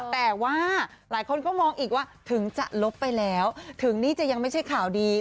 แต่ว่าหลายคนก็มองอีกว่าถึงจะลบไปแล้วถึงนี่จะยังไม่ใช่ข่าวดี